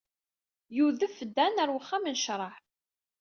Yudef Dan ɣer uxxam n ccṛeɛ.